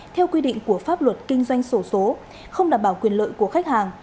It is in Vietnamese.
theo quy định của pháp luật kinh doanh sổ số không đảm bảo quyền lợi của khách hàng